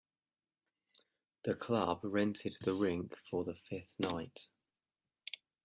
The club rented the rink for the fifth night.